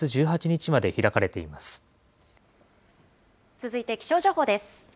続いて気象情報です。